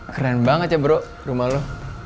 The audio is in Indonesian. keren banget ya bro rumah lo